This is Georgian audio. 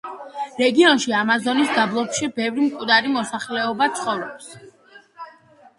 რეგიონში, ამაზონის დაბლობში ბევრი მკვიდრი მოსახლეობა ცხოვრობს.